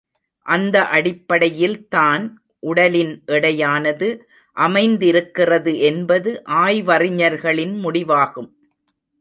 இந்த அடிப்படையில் தான் உடலின் எடையானது அமைந்திருக்கிறது என்பது ஆய்வறிஞர்களின் முடிவாகும்.